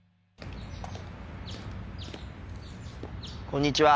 こんにちは。